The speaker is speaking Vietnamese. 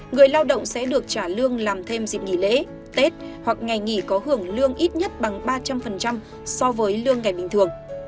người lao động sẽ được trả lương làm thêm dịp nghỉ lễ tết hoặc ngày nghỉ có hưởng lương ít nhất bằng ba trăm linh so với lương ngày bình thường